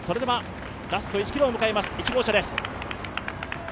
ラスト１ｋｍを迎えます、１号車です。